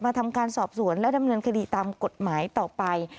ทำการสอบสวนและดำเนินคดีตามกฎหมายต่อไป